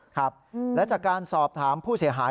ครับและจากการสอบถามผู้เสียหาย